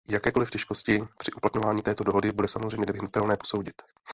Jakékoliv těžkosti při uplatňování této dohody bude samozřejmě nevyhnutné posoudit.